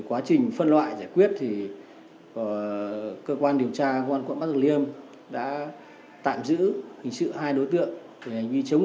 quá trình phân loại giải quyết thì cơ quan điều tra công an quận bắc tử liêm đã tạm giữ hình sự hai đối tượng